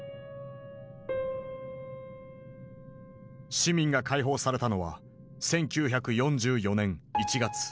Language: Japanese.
市民が解放されたのは１９４４年１月。